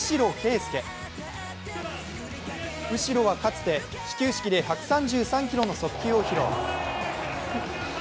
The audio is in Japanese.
右代はかつて始球式で１３８キロの速球を披露。